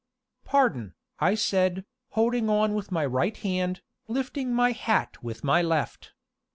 "Pardon," I said, holding on with my right hand, lifting my hat with my left.